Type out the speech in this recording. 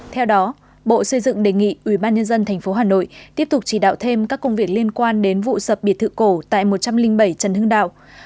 theo đó bộ xây dựng đề nghị ubnd tp hà nội tiếp tục chỉ đạo thêm các công việc liên quan đến vụ sập biệt thự cổ tại một trăm linh bảy trần hưng đạo